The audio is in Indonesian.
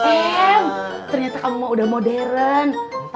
ehm ternyata kamu udah modern